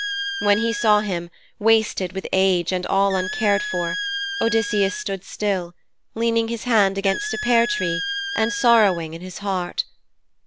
When he saw him, wasted with age and all uncared for, Odysseus stood still, leaning his hand against a pear tree and sorrowing in his heart.